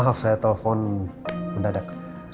maaf saya telpon mendadak